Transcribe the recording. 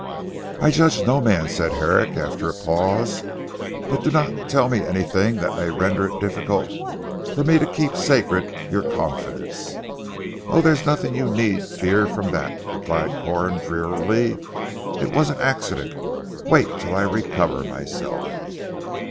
"I judge no man," said Herrick after a pause, "but do not tell me anything that may render it difficult for me to keep sacred your confidence." "Oh, there is nothing you need fear from that," replied Corn drearily. "It was an accident. Wait till I recover myself."